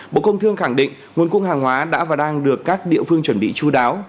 bộ công thương khẳng định nguồn cung hàng hóa đã và đang được các địa phương chuẩn bị chú đáo